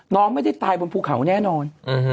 น้องไม่ได้ตายบนภูเขาแน่นอน